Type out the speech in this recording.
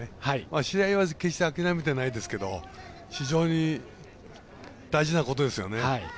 試合は決して諦めてないですけど非常に大事なことですよね。